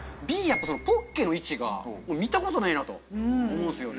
Ｂやっぱポッケの位置が見たことないなと思うんすよね。